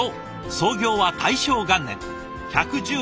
創業は大正元年。